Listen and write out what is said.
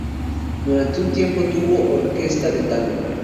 Durante un tiempo tuvo orquesta de tango.